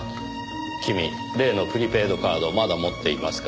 君例のプリペイドカードをまだ持っていますか？